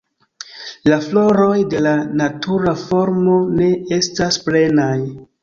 La floroj de la natura formo ne estas plenaj.